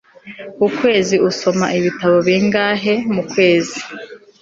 ukwezi usoma ibitabo bingahe mukwezi